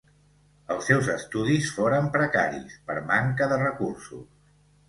Els seus estudis foren precaris, per manca de recursos.